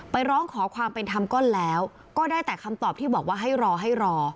ร้องขอความเป็นธรรมก็แล้วก็ได้แต่คำตอบที่บอกว่าให้รอให้รอ